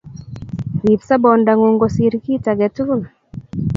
Rip sobondang'ung' kosir kit age tugul.